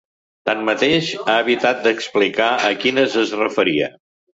Tanmateix, ha evitat d’explicar a quines es referia.